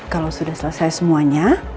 kalau sudah selesai semuanya